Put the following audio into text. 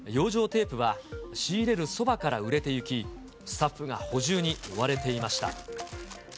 テープは、仕入れるそばから売れてゆき、スタッフが補充に追われていました。